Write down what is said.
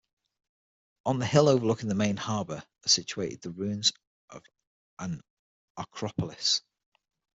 On the hill overlooking the main harbour are situated the ruins of an acropolis.